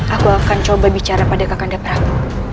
aku akan coba bicara pada kakanda perahu